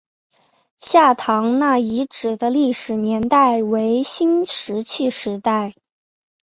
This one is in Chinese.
下堂那遗址的历史年代为新石器时代。